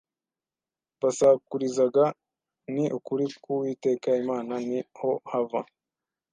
basakurizaga Ni ukuri ku Uwiteka Imana ni ho hava